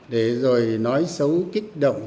để rồi nói xấu kích động